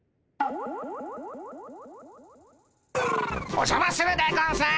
おじゃまするでゴンス。